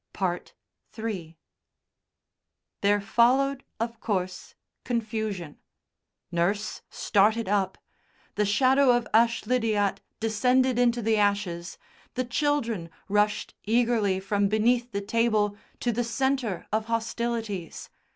III There followed, of course, confusion. Nurse started up. "The Shadow of Ashlydyat" descended into the ashes, the children rushed eagerly from beneath the table to the centre of hostilities.